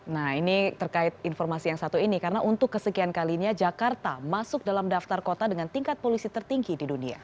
nah ini terkait informasi yang satu ini karena untuk kesekian kalinya jakarta masuk dalam daftar kota dengan tingkat polisi tertinggi di dunia